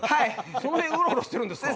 その辺うろうろしてるんですか？